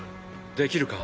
できるか？